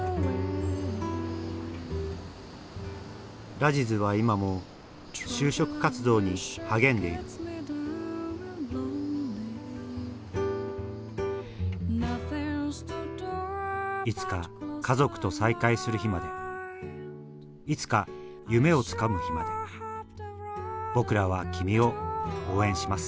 ラジズは今も就職活動に励んでいるいつか家族と再会する日までいつか夢をつかむ日まで僕らは君を応援します